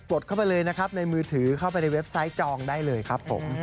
ดเข้าไปเลยนะครับในมือถือเข้าไปในเว็บไซต์จองได้เลยครับผม